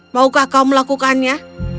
maukah kau melakukannya